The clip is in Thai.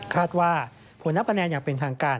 คาดว่าผลนับคะแนนอย่างเป็นทางการ